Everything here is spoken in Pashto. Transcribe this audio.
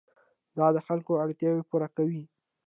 دا د خلکو اړتیاوې پوره کوي.